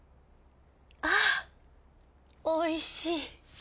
あおいしい。